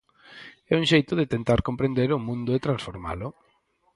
É un xeito de tentar comprender o mundo e transformalo.